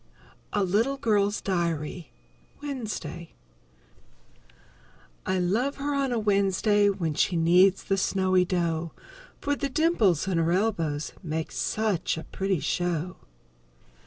A LITTLE GIRL'S DIARY Wednesday _I love her on a Wednesday When she kneads the snowy dough, For the dimples in her elbows Make such a pretty show.